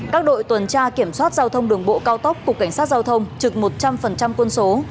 các đội tuần tra kiểm soát giao thông đường bộ cao tốc cục cảnh sát giao thông trực một trăm linh quân số